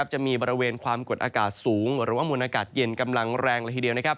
จะมีบริเวณความกดอากาศสูงหรือว่ามวลอากาศเย็นกำลังแรงละทีเดียว